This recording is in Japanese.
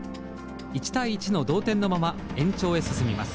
１対１の同点のまま延長へ進みます。